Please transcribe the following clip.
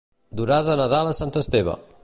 Durar de Nadal a Sant Esteve.